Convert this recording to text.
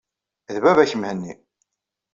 D baba-k Mhenni.